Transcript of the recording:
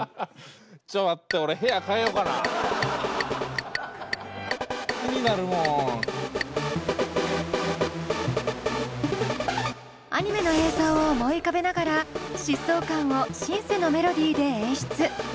ちょ待ってアニメの映像を思い浮かべながら疾走感をシンセのメロディーで演出。